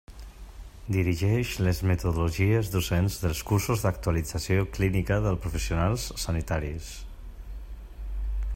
Dirigeix les metodologies docents dels cursos d'actualització clínica dels professionals sanitaris.